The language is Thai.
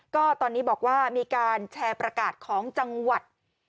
ก็ตอนนี้บอกว่ามีการแชร์ประกาศของจังหวัด